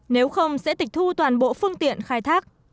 nếu không sẽ tịch thu toàn bộ phương tiện khai thác